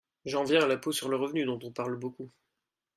J’en viens à l’impôt sur le revenu, dont on parle beaucoup.